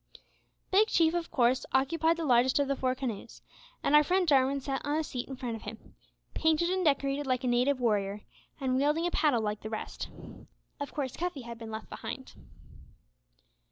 Big Chief of course occupied the largest of the four canoes, and our friend Jarwin sat on a seat in front of him painted and decorated like a native warrior, and wielding a paddle like the rest. Of course Cuffy had been left behind.